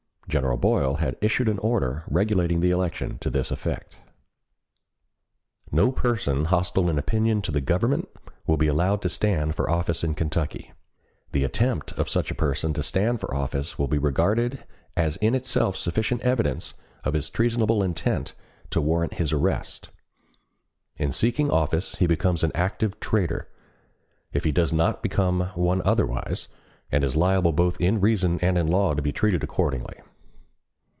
General Boyle had issued an order regulating the election to this effect: No person hostile in opinion to the Government will be allowed to stand for office in Kentucky. The attempt of such a person to stand for office will be regarded as in itself sufficient evidence of his treasonable intent to warrant his arrest. In seeking office he becomes an active traitor, if he does not become one otherwise, and is liable both in reason and in law to be treated accordingly.